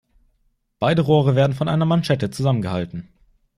Beide Rohre werden von einer Manschette zusammengehalten.